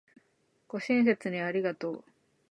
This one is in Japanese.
ご親切にありがとう